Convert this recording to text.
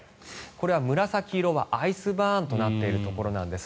これは紫色はアイスバーンとなっているところです。